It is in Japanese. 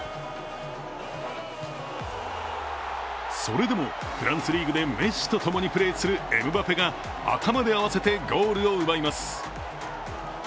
それでもフランスリーグでメッシと共にプレーするエムバペが頭で合わせてゴールを奪います。